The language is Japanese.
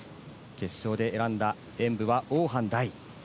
決勝で選んだ演武はオーハン。